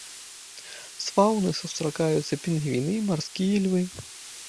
З фаўны сустракаюцца пінгвіны і марскія львы.